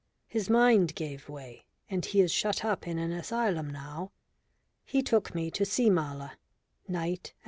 His mind gave way, and he is shut up in an asylum now. He took me to see Mala.